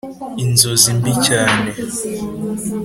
inzozi mbi cyane